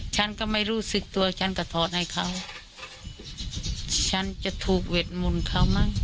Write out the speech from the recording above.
ฉันก็ไม่รู้สึกตัวฉันก็ถอดให้เขาฉันจะถูกเวทมนต์เขามั้ง